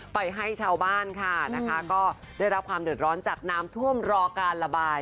ไปให้ชาวบ้านค่ะนะคะก็ได้รับความเดือดร้อนจากน้ำท่วมรอการระบาย